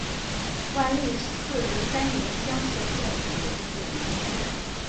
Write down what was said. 万历四十三年乡试中五十九名举人。